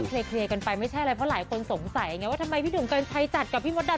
เคลียร์กันไปไม่ใช่อะไรเพราะหลายคนสงสัยไงว่าทำไมพี่หนุ่มกัญชัยจัดกับพี่มดดำ